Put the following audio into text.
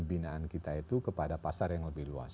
pembinaan kita itu kepada pasar yang lebih luas